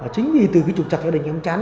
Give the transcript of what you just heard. chính vì từ trục trặc gia đình em chán